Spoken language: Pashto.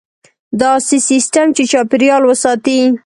داسې سیستم چې چاپیریال وساتي.